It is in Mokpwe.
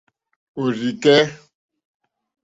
Òrzì kɛ́.